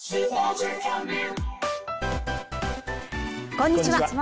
こんにちは。